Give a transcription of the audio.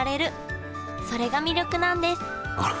それが魅力なんですあら！